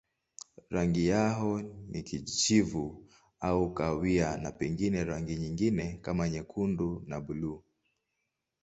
Rangi yao ni kijivu au kahawia na pengine rangi nyingine kama nyekundu na buluu.